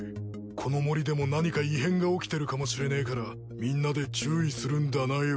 この森でも何か異変が起きてるかもしれねえからみんなで注意するんだなよ。